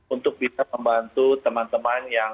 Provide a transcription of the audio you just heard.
untuk bisa membantu teman teman yang